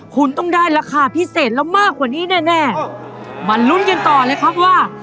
คุณต้องได้ราคาพิเศษแล้วมากกว่านี้แน่แน่มาลุ้นกันต่อเลยครับว่า